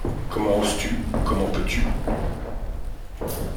Comment oses-tu, comment peux-tu?